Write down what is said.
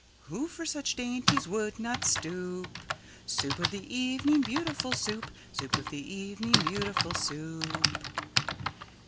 Who for such dainties would not stoop? Soup of the evening, beautiful Soup! Soup of the evening, beautiful Soup!